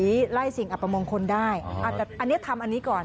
นี่อะไรสิ่งอับประโมงคลได้อันนี้ทำอันนี้ก่อน